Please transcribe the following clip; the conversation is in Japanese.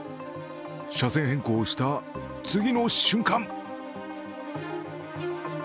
車線変更をした次の瞬間